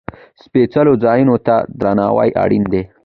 سپېڅلو ځایونو ته درناوی اړین دی.